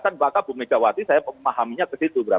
itu perlu penegasan bahwa bumidjawati saya memahaminya begitu